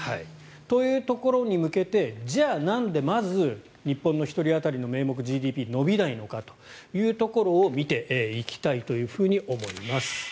というところに向けてじゃあ、なんでまず日本の１人当たりの名目ＧＤＰ伸びないのかというところを見ていきたいと思います。